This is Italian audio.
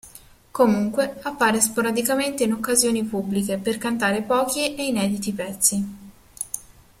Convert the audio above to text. Comunque, appare sporadicamente in occasioni pubbliche, per cantare pochi e inediti pezzi.